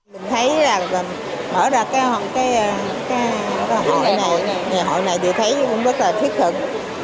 mình thấy là mở ra cái hội này thì thấy cũng rất là thiết thực